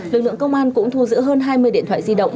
lực lượng công an cũng thu giữ hơn hai mươi điện thoại di động